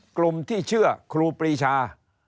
กลุ่มที่เชื่อครูปรีชา